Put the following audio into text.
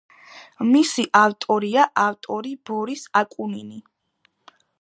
მისი ავტორია ავტორი ბორის აკუნინი.